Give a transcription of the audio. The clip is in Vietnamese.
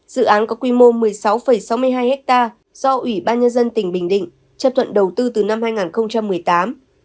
dự án có quy mô một mươi sáu sáu mươi hai ha do ủy ban nhân dân tỉnh bình định chấp thuận đầu tư từ năm hai nghìn một mươi tám